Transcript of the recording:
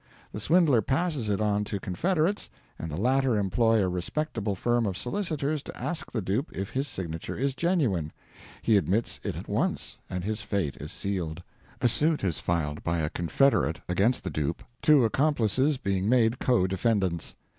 The swindler passes it on to confederates, and the latter employ a respectable firm of solicitors to ask the dupe if his signature is genuine. He admits it at once, and his fate is sealed. A suit is filed by a confederate against the dupe, two accomplices being made co defendants.